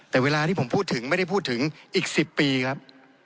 แต่เวลาที่ผมพูดถึงไม่ได้พูดถึงอีก๑๐ปีครับ